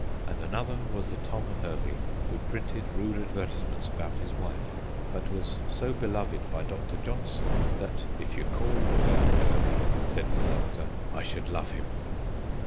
and another was the Tom Hervey who printed rude advertisements about his wife, but was so beloved by Dr. Johnson that ' if you called a dog Hervey/ said the Doctor, ' I should love him.'